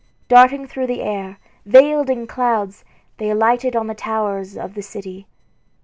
Darting through the air, veiled in clouds, they alighted on the towers of the city.